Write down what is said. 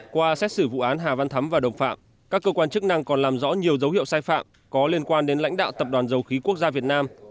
qua xét xử vụ án hà văn thắm và đồng phạm các cơ quan chức năng còn làm rõ nhiều dấu hiệu sai phạm có liên quan đến lãnh đạo tập đoàn dầu khí quốc gia việt nam